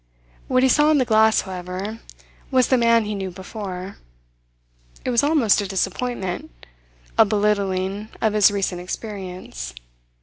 What he saw in the glass, however, was the man he knew before. It was almost a disappointment a belittling of his recent experience.